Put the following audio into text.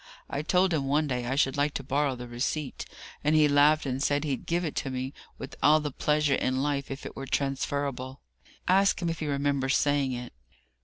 I told him one day I should like to borrow the receipt, and he laughed and said he'd give it to me with all the pleasure in life if it were transferable. Ask him if he remembers saying it.